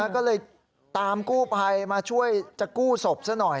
ก็เลยตามกู่ภัยมาช่วยกู้ภัยสักหน่อย